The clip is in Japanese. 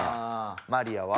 マリアは？